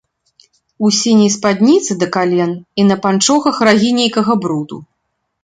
У сіняй спадніцы да кален, і на панчохах рагі нейкага бруду.